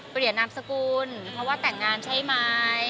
เปลี่ยนนามสกุลเพราะว่าแต่งงานใช่ไหม